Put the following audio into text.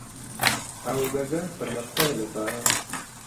او د ګډ پرمختګ لپاره.